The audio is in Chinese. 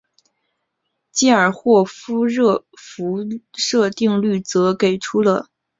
基尔霍夫热辐射定律则给出了实际物体的辐射出射度与吸收比之间的关系。